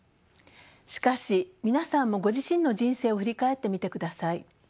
しかし皆さんもご自身の人生を振り返ってみてください。